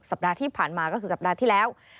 สัปดาห์ที่ผ่านมาก็คือสัปดาห์ที่แล้ว